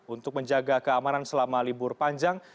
untuk menjaga keamanan selama libur panjang